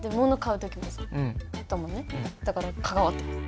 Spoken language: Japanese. だから関わってます。